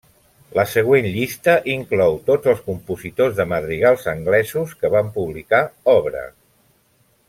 La següent llista inclou tots els compositors de madrigals anglesos que van publicar obra.